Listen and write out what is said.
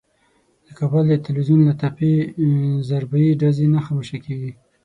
د کابل د ټلوېزیون له تپې ضربهیي ډزې نه خاموشه کېږي.